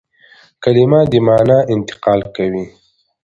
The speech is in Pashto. کلیمه د مانا انتقال کوي.